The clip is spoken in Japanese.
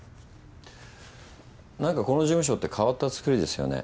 何かこの事務所って変わった作りですよね。